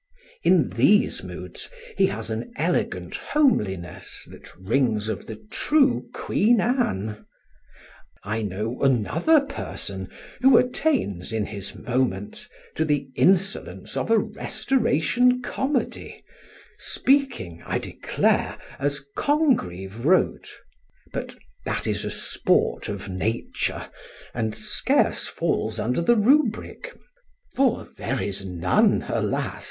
In these moods he has an elegant homeliness that rings of the true Queen Anne. I know another person who attains, in his moments, to the insolence of a Restoration comedy, speaking, I declare, as Congreve wrote; but that is a sport of nature, and scarce falls under the rubric, for there is none, alas!